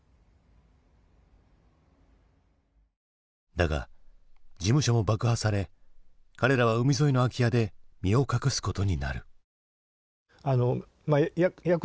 だが事務所も爆破され彼らは海沿いの空き家で身を隠すことになる。